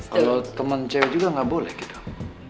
kalo temen cewek juga gak boleh gitu